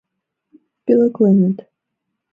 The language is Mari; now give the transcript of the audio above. — Пӧлекленыт.